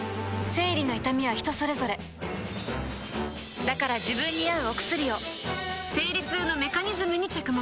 生理の痛みは人それぞれだから自分に合うお薬を生理痛のメカニズムに着目